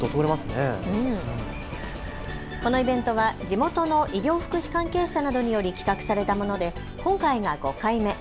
このイベントは地元の医療・福祉関係者などにより企画されたもので今回が５回目。